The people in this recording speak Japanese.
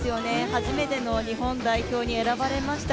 初めての日本代表に選ばれました。